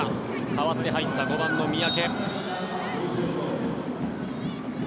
代わって入った５番の三宅。